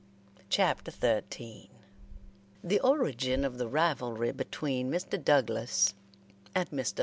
CHAPTER XIII THE ORIGIN OF THE RIVALRY BETWEEN MR. DOUGLAS AND MR.